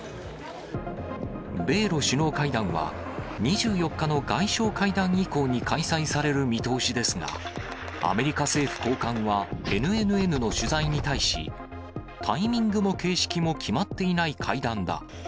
米ロ首脳会談は、２４日の外相会談以降に開催される見通しですが、アメリカ政府高官はＮＮＮの取材に対し、タイミングも形式も決まっていない会談だ。